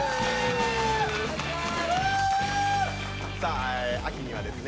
さあ秋にはですね